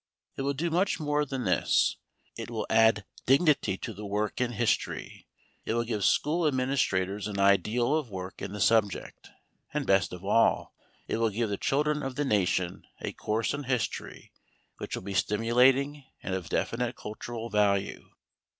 It will do much more than this. It will add dignity to the work in history; it will give school administrators an ideal of work in the subject; and best of all, it will give the children of the nation a course in history which will be stimulating and of definite cultural value.